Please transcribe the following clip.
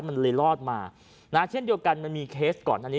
มันเลยรอดมานะเช่นเดียวกันมันมีเคสก่อนอันนี้